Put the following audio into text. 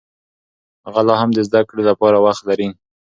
هغه لا هم د زده کړې لپاره وخت لري.